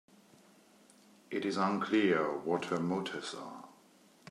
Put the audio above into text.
It is unclear what her motives are.